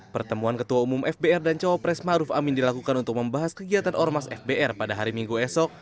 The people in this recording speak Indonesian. pertemuan ketua umum fbr dan cawapres maruf amin dilakukan untuk membahas kegiatan ormas fbr pada hari minggu esok